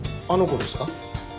あの子ですか？